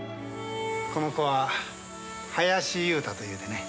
この子は林雄太というてね。